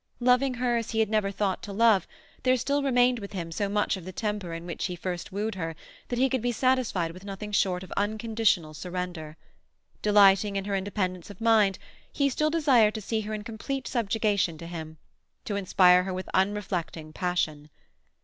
Loving her as he had never thought to love, there still remained with him so much of the temper in which he first wooed her that he could be satisfied with nothing short of unconditional surrender. Delighting in her independence of mind, he still desired to see her in complete subjugation to him, to inspire her with unreflecting passion.